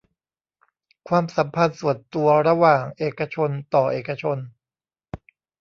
ความสัมพันธ์ส่วนตัวระหว่างเอกชนต่อเอกชน